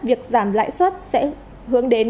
việc giảm lãi suất sẽ hướng đến